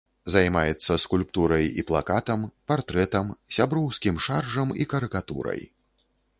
Займаецца скульптурай і плакатам, партрэтам, сяброўскім шаржам і карыкатурай.